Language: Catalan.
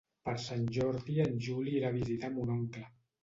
Per Sant Jordi en Juli irà a visitar mon oncle.